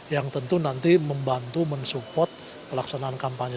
yang tentu nanti membantu mensupport pelaksanaan kampanye